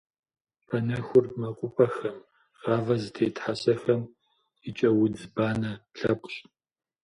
Банэхур мэкъупӏэхэм, гъавэ зытет хьэсэхэм къикӏэ удз банэ лъэпкъщ.